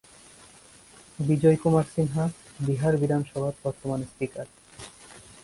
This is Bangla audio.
বিজয় কুমার সিনহা বিহার বিধানসভার বর্তমান স্পিকার।